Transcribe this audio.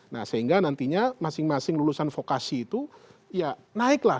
nah sehingga nantinya masing masing lulusan vokasi itu ya naik lah